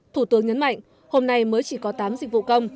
thủ tướng nhấn mạnh hôm nay mới chỉ có tám dịch vụ công